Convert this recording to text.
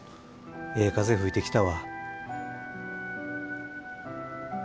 ええ風吹いてきたわ。